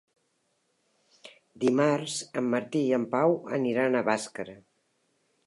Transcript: Dimarts en Martí i en Pau aniran a Bàscara.